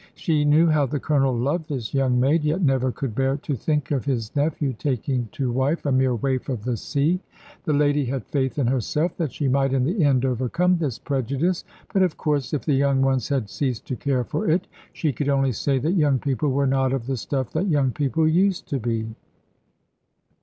She knew how the Colonel loved this young maid, yet never could bear to think of his nephew taking to wife a mere waif of the sea. The lady had faith in herself that she might in the end overcome this prejudice. But of course if the young ones had ceased to care for it, she could only say that young people were not of the stuff that young people used to be.